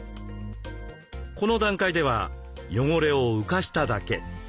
この段階では汚れを浮かしただけ。